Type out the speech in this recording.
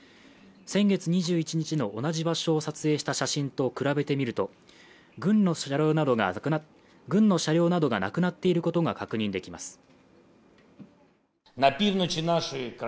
先月２１日の同じ場所を撮影した写真と比べてみると、軍の車両などがなくなっていることが確認できます。